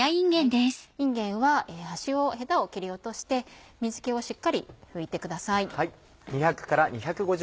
いんげんは端をヘタを切り落として水気をしっかり拭いてください。